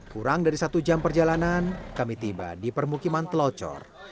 kurang dari satu jam perjalanan kami tiba di permukiman telocor